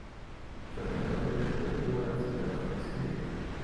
Suelen evadir las letras frívolas y la competición directa.